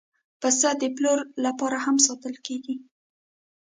پسه د پلور لپاره هم ساتل کېږي.